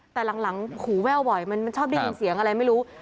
แต่หลังหูแว่วบ่อยมันชอบได้ยินเสียงอะไรไม่รู้